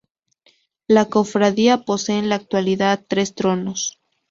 La Cofradía posee en la actualidad tres tronos.